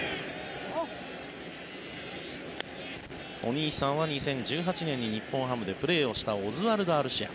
お兄さんは２０１８年に日本ハムでプレーをしたオズワルド・アルシア。